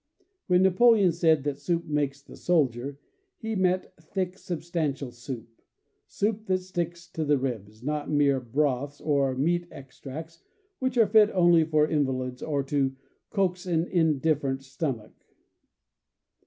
When Napoleon said that "soup makes the soldier," he meant thick, substantial soup — soup that sticks to 5, the ribs — not mere broths or meat ex ^' tracts, which are fit only for invalids or to coax an indifferent stomach.